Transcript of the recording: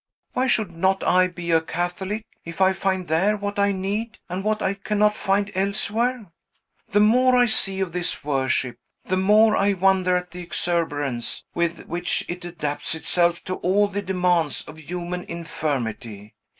Why should not I be a Catholic, if I find there what I need, and what I cannot find elsewhere? The more I see of this worship, the more I wonder at the exuberance with which it adapts itself to all the demands of human infirmity.